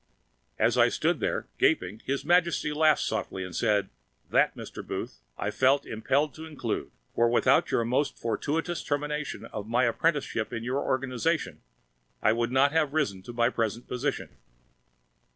As I stood there, gaping, His Majesty laughed softly and said, "That, Mr. Booth, I felt impelled to include. For, without your most fortuitous termination of my apprenticeship in your organization, I should not have risen to my present position."